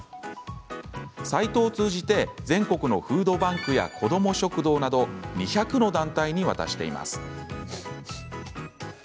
サイトを通じて、全国のフードバンクや子ども食堂など２００の団体に渡しています。